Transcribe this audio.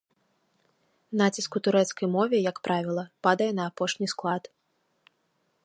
Націск у турэцкай мове, як правіла, падае на апошні склад.